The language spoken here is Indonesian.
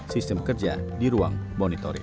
sistem kerja di ruang monitoring